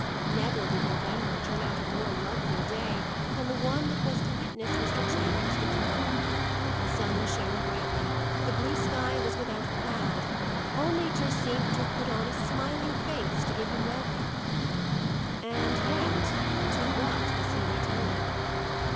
Never did November turn out a more lovely day than the one that was to witness Mr. Channing's return. The sun shone brightly; the blue sky was without a cloud. All Nature seemed to have put on a smiling face to give him welcome. And yet to what was he returning?